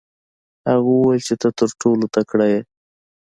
هغه وویل چې ته تر ټولو تکړه یې.